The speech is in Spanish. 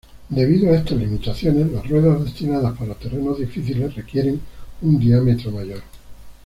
Debido a estas limitaciones, ruedas destinadas para terrenos difíciles requieren un diámetro mayor.